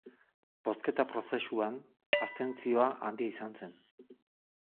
Bozketa prozesuan, abstentzioa handia izan zen.